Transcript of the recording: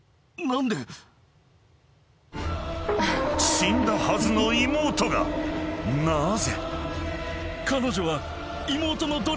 ［死んだはずの妹がなぜ？］